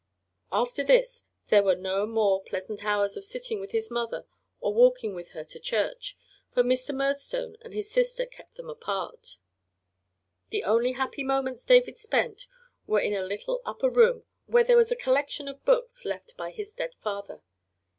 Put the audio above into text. After this there were no more pleasant hours of sitting with his mother or walking with her to church, for Mr. Murdstone and his sister kept them apart. The only happy moments David spent were in a little upper room where there was a collection of books left by his dead father.